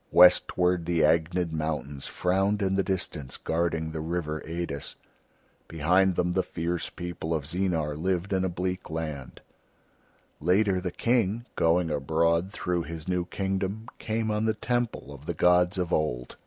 Westward the Agnid mountains frowned in the distance guarding the river Eidis; behind them the fierce people of Zeenar lived in a bleak land. Later the King, going abroad through his new kingdom, came on the Temple of the gods of Old.